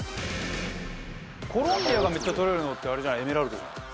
コロンビアがめっちゃ取れるのってエメラルドじゃない？